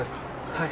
はい。